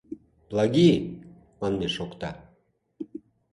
Плаги!» манме шокта.